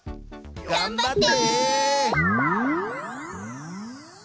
がんばって！